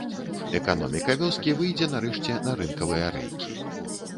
Эканоміка вёскі выйдзе нарэшце на рынкавыя рэйкі.